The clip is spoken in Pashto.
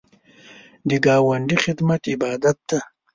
د ګاونډي خدمت عبادت دی